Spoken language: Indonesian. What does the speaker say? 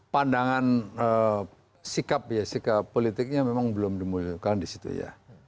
pandangan sikap ya sikap politiknya memang belum dimunculkan di situ ya